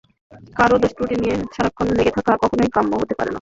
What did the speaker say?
কারও দোষত্রুটি নিয়ে সারাক্ষণ লেগে থাকাটা কখনোই কাম্য হতে পারে না।